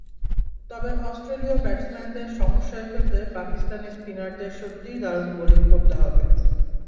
তবে অস্ট্রেলীয় ব্যাটসম্যানদের সমস্যায় ফেলতে পাকিস্তানি স্পিনারদের সত্যিই দারুণ বোলিং করতে হবে।